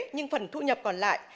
nhưng phần thu nhập còn lại